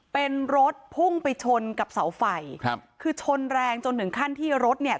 เป็นรถพุ่งไปชนกับเสาไฟครับคือชนแรงจนถึงขั้นที่รถเนี่ย